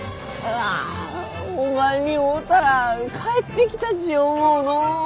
ああおまんに会うたら帰ってきたち思うのう。